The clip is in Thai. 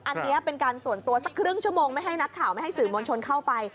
อันนี้เป็นการส่วนตัวสักครึ่งชั่วโมงไม่ให้นักข่าวไม่ให้สื่อมวลชนเข้าไป